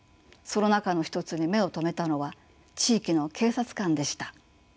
その中の一つに目を留めたのは地域の警察官でした。